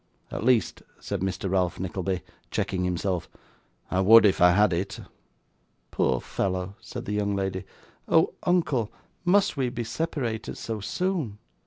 At least,' said Mr Ralph Nickleby, checking himself, 'I would if I had it.' 'Poor fellow!' said the young lady. 'Oh! uncle, must we be separated so soon!